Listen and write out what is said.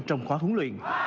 trong khóa huấn luyện